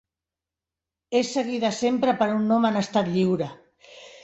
És seguida sempre per un nom en estat lliure.